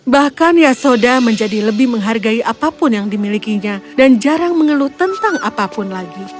bahkan yasoda menjadi lebih menghargai apapun yang dimilikinya dan jarang mengeluh tentang apapun lagi